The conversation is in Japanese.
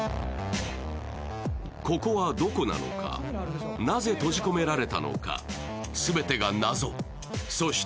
ここはどこなのか、なぜ閉じ込められたのか、全てが謎、そして